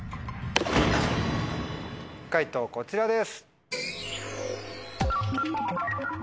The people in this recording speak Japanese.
解答こちらです。